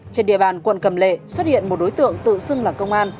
trên địa bàn quận cầm lệ xuất hiện một đối tượng tự xưng là công an